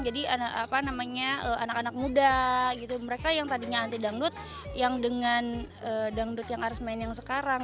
jadi anak anak muda mereka yang tadinya anti dangdut yang dengan dangdut yang arismen yang sekarang